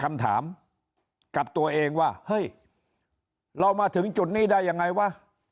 คำถามกับตัวเองว่าเฮ้ยเรามาถึงจุดนี้ได้ยังไงวะ